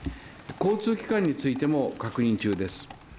交通機関についても、確認中です。